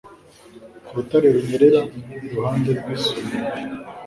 Ku rutare runyerera iruhande rwisumo